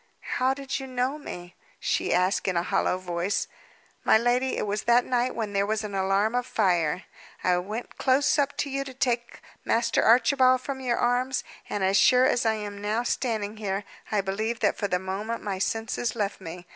"How did you know me?" she asked in a hollow voice. "My lady, it was that night when there was an alarm of fire. I went close up to you to take Master Archibald from your arms; and, as sure as I am now standing here, I believe that for the moment my senses left me.